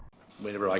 lalu minggu lalu